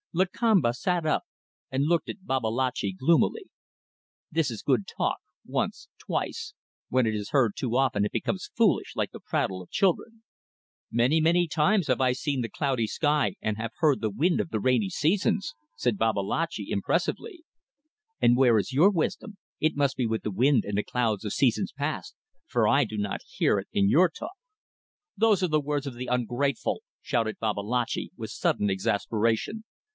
Lakamba sat up and looked at Babalatchi gloomily. "This is good talk, once, twice; when it is heard too often it becomes foolish, like the prattle of children." "Many, many times have I seen the cloudy sky and have heard the wind of the rainy seasons," said Babalatchi, impressively. "And where is your wisdom? It must be with the wind and the clouds of seasons past, for I do not hear it in your talk." "Those are the words of the ungrateful!" shouted Babalatchi, with sudden exasperation.